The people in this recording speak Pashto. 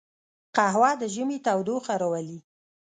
قهوه د ژمي تودوخه راولي